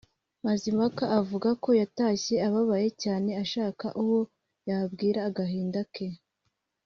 Mazimpaka avuga ko yatashye ababaye cyane ashaka uwo yabwira agahinda ke